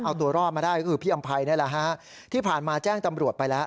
เอาตัวรอดมาได้ก็คือพี่อำไพรนี่แหละฮะที่ผ่านมาแจ้งตำรวจไปแล้ว